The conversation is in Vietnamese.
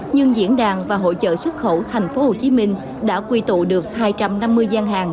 nhưng diễn đàn và hội trợ xuất khẩu tp hcm đã quy tụ được hai trăm năm mươi gian hàng